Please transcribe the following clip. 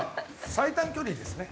最短距離ですね。